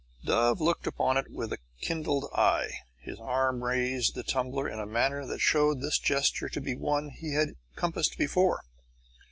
Dove looked upon it with a kindled eye. His arm raised the tumbler in a manner that showed this gesture to be one that he had compassed before.